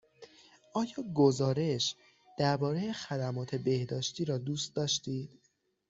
آیا گزارش درباره خدمات بهداشتی را دوست داشتید؟